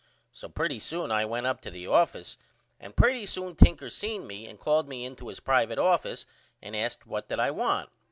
So pretty soon I went up to the office and pretty soon Tinker seen me and called me into his private office and asked what did I want.